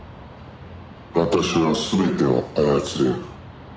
「私は全てを操れる」